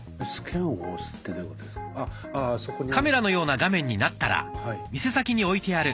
カメラのような画面になったら店先に置いてある